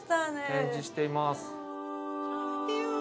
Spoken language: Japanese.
展示しています。